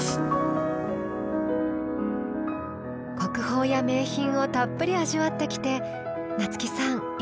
国宝や名品をたっぷり味わってきて夏木さん市川さん